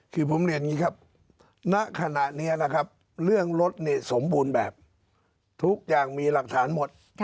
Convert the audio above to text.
คือผมเรียนอย่างนี้ครับณขณะนี้นะครับเรื่องรถเนี่ยสมบูรณ์แบบทุกอย่างมีหลักฐานหมด